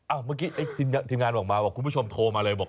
เมื่อกี้ไอ้ทีมงานบอกมาบอกคุณผู้ชมโทรมาเลยบอก